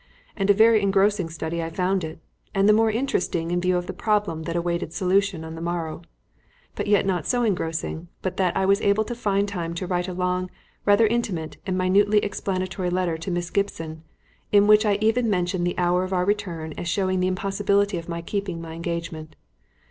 And a very engrossing study I found it, and the more interesting in view of the problem that awaited solution on the morrow; but yet not so engrossing but that I was able to find time to write a long, rather intimate and minutely explanatory letter to Miss Gibson, in which I even mentioned the hour of our return as showing the impossibility of my keeping my engagement.